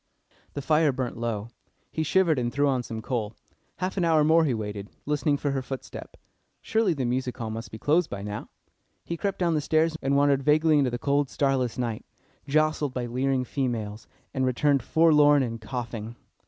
The fire burnt low. He shivered, and threw on some coal. Half an hour more he waited, listening for her footstep. Surely the music hall must be closed by now. He crept down the stairs, and wandered vaguely into the cold, starless night, jostled by leering females, and returned forlorn and coughing.